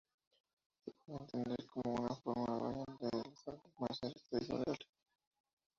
Se pueden entender como una forma de variante de las artes marciales tradicionales.